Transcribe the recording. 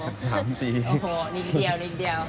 อีกเดียวอย่างหนึ่งเดียว